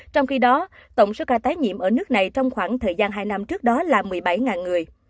trong khi đó tổng số ca tái nhiễm ở nước này trong khoảng thời gian hai năm trước đó là một mươi bảy người